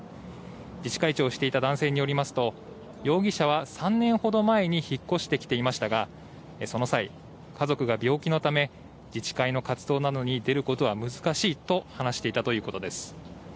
自治会長をしていた男性によりますと容疑者は３年ほど前に引っ越してきていましたがその際、家族が病気のため自治会の活動などに出ることは難しいと話していたということです。